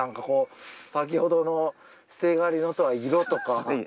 先ほどの捨て刈りのとは色とか。